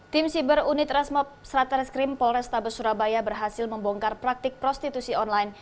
tim siber unit rasmob satreskrim polrestabes surabaya berhasil membongkar praktik prostitusi online